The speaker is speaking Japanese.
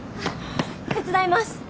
手伝います。